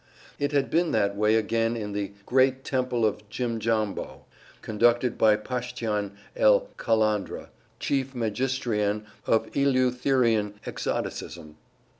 It had been that way again in the great Temple of Jimjambo, conducted by Pashtian el Kalandra, Chief Magistrian of Eleutherinian Exoticism.